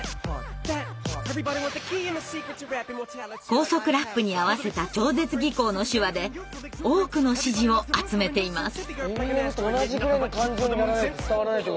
高速ラップに合わせた超絶技巧の手話で多くの支持を集めています。